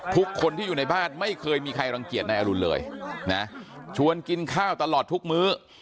ทุกคนที่อยู่ในบ้านไม่เคยมีใครรังเกียจนายอรุณเลยนะชวนกินข้าวตลอดทุกมื้อ